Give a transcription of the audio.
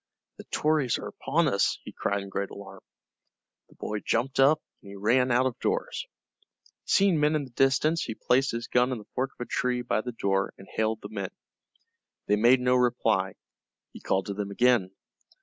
"The Tories are upon us!" he cried in great alarm. The boy jumped up, and ran out of doors. Seeing men in the distance he placed his gun in the fork of a tree by the door, and hailed the men. They made no reply. He called to them again.